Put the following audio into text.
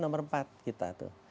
nomor empat kita tuh